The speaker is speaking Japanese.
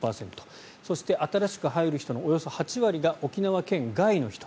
そして新しく入る人のおよそ８割が沖縄県外の人。